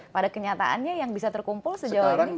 pada kenyataannya yang bisa terkumpul sejauh ini